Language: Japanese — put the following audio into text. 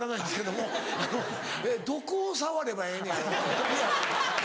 どこを触ればええねやろ？